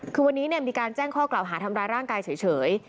คือวันนี้มีการแจ้งข้อกล่าวหาทำร้ายร่างกายเฉย